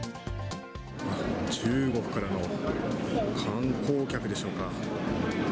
中国からの観光客でしょうか。